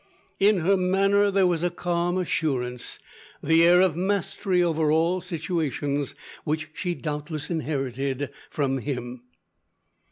In her manner, there was a calm assurance the air of mastery over all situations which she doubtless inherited from him.